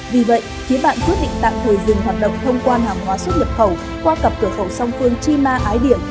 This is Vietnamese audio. vì vậy phía bạn quyết định tạm thời dừng hoạt động thông quan hàng hóa xuất nhập khẩu qua cặp cửa khẩu song phương chima ái điền